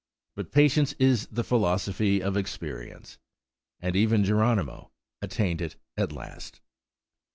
But patience is the philosophy of experience; and even Geronimo attained it at last.